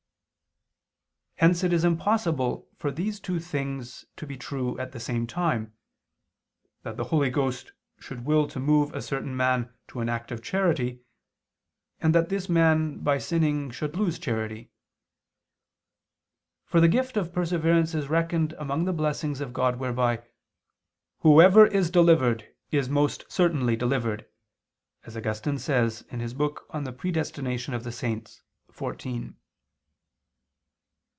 Hence it is impossible for these two things to be true at the same time that the Holy Ghost should will to move a certain man to an act of charity, and that this man, by sinning, should lose charity. For the gift of perseverance is reckoned among the blessings of God whereby "whoever is delivered, is most certainly delivered," as Augustine says in his book on the Predestination of the saints (De Dono Persev.